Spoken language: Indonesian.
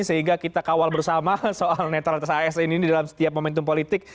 sehingga kita kawal bersama soal netralitas asn ini dalam setiap momentum politik